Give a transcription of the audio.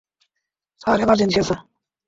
Sir, emergency আছে।